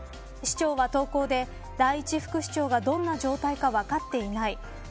市長は投稿で第１副市長がどんな状態か分かっていない。